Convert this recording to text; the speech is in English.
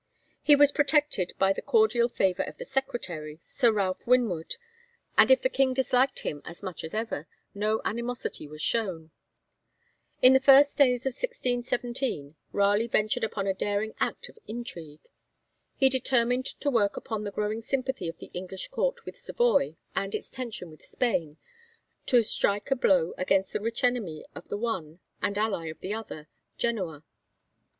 He was protected by the cordial favour of the Secretary, Sir Ralph Winwood; and if the King disliked him as much as ever, no animosity was shown. In the first days of 1617, Raleigh ventured upon a daring act of intrigue. He determined to work upon the growing sympathy of the English Court with Savoy and its tension with Spain, to strike a blow against the rich enemy of the one and ally of the other, Genoa.